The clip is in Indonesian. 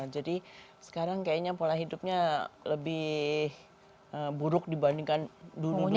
jadi sekarang kayaknya pola hidupnya lebih buruk dibandingkan dulu dulu ya